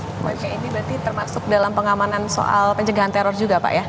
oke ini berarti termasuk dalam pengamanan soal pencegahan teror juga pak ya